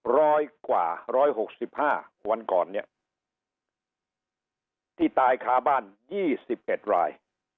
ร้อยกว่าร้อยหกสิบห้าวันก่อนเนี่ยที่ตายคาบ้านยี่สิบเอ็ดราย